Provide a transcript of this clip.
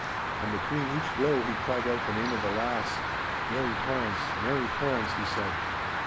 And between each blow he cried out the name of a lass—"Mary Torrance! Mary Torrance!" he said.